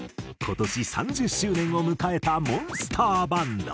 今年３０年周年を迎えたモンスターバンド。